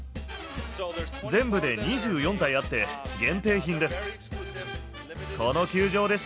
全部で２４体あって、限定品です。